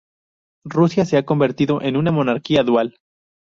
Rusia se ha convertido en una monarquía dual.